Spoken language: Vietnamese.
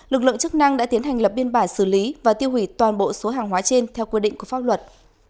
lực lượng chức năng đã tiến hành lập biên bản xử lý và tiêu hủy toàn bộ số hàng hóa trên theo quy định của pháp luật